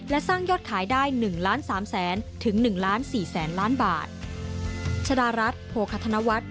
และสร้างยอดขายได้๑๓๐๐๐๐๐ถึง๑๔๐๐๐๐๐บาท